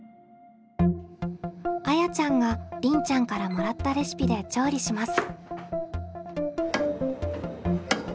あやちゃんがりんちゃんからもらったレシピで調理します。